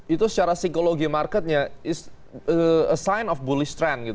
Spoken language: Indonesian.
itu secara psikologi marketnya is a sign of bullish trend